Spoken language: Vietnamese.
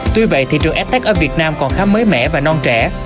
tuy vậy thị trường s tech ở việt nam còn khá mới mẻ và non trẻ